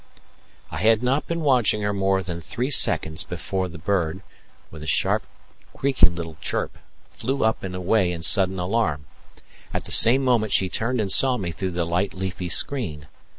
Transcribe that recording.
I had not been watching her more than three seconds before the bird, with a sharp, creaking little chirp, flew up and away in sudden alarm; at the same moment she turned and saw me through the light leafy screen.